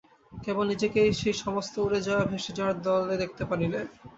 কেবল নিজেকেই সেই-সমস্ত উড়ে-যাওয়া ভেসে-যাওয়ার দলে দেখতে পারি নে।